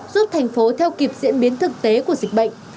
giúp thành phố theo kịp diễn biến thực tế của dịch bệnh